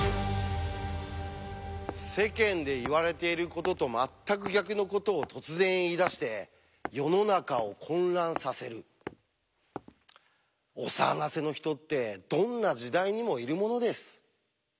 世間で言われていることと全く逆のことを突然言いだして世の中を混乱させるお騒がせの人ってどんな時代にもいるものです。